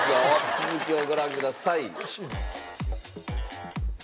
続きをご覧ください。